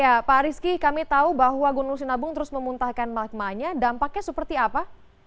ya pak rizky kami tahu bahwa gunung sinabung terus memuntahkan magmanya dampaknya seperti apa